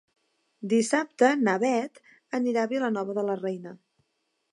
Dissabte na Bet anirà a Vilanova de la Reina.